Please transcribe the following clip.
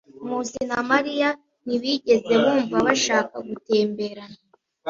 Nkusi na Mariya ntibigeze bumva bashaka gutemberana.